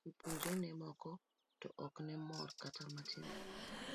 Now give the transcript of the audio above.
Jopuonjrene moko to ok ne mor kata matin.